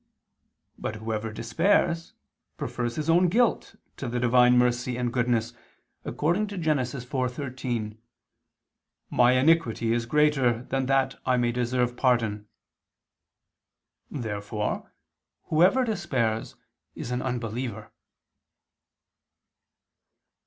But whoever despairs, prefers his own guilt to the Divine mercy and goodness, according to Gen. 4:13: "My iniquity is greater than that I may deserve pardon." Therefore whoever despairs, is an unbeliever.